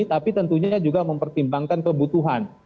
tapi tentunya juga mempertimbangkan kebutuhan